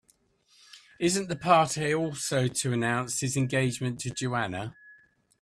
Isn't the party also to announce his engagement to Joanna?